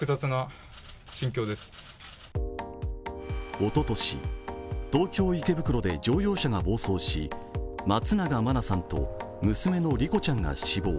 おととし、東京・池袋で乗用車が暴走し松永真菜さんと娘の莉子ちゃんが死亡。